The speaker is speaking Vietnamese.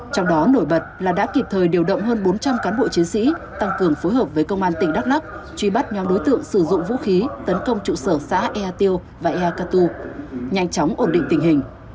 trong đó nổi bật là đã kịp thời điều động hơn bốn trăm linh cán bộ chiến sĩ tăng cường phối hợp với công an tỉnh đắk lắc truy bắt nhóm đối tượng sử dụng vũ khí tấn công trụ sở xã ea tiêu và ea catu nhanh chóng ổn định tình hình